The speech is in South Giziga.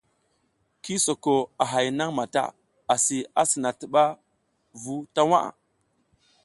Ki soko a hay nang mata asi asina tiba v uta waʼa.